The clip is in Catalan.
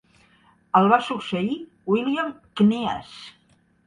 El va succeir William Kneass.